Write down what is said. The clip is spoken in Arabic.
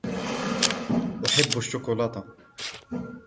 أحب الشوكولاتة.